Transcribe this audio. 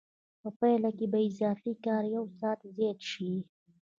په پایله کې به اضافي کار یو ساعت زیات شي